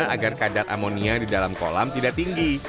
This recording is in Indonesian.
agar kadar amonia di dalam kolam tidak tinggi